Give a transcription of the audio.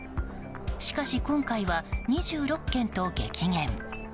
しかし、今回は２６件と激減。